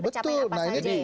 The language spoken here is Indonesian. pencapaian apa saja